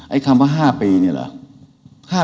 คำว่า๕ปีนี่เหรอ